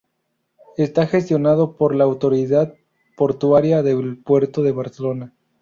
Está gestionado por la autoridad portuaria del Puerto de Barcelona.